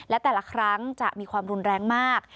และแต่ละครั้งจะมีความรุนแรงมาก